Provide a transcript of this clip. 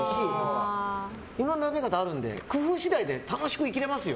いろんなものがあるので工夫次第で楽しく生きられますよ。